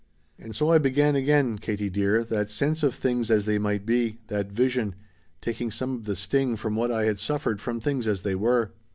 "And so I began again, Katie dear, that sense of things as they might be that vision taking some of the sting from what I had suffered from things as they were.